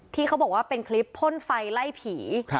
ที่เขาบอกว่าเป็นคลิปพ่นไฟไล่ผี